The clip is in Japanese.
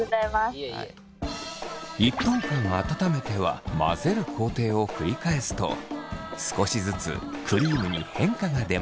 １分間温めては混ぜる工程を繰り返すと少しずつクリームに変化が出ます。